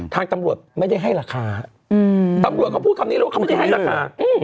ทางตำรวจไม่ได้ให้ราคาตำรวจเขาพูดคำนี้เลยว่าเขาไม่ได้ให้ราคา